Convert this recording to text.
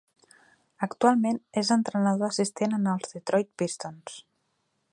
Actualment és entrenador assistent en els Detroit Pistons.